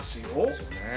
そうね。